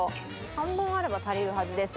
半分あれば足りるはずです。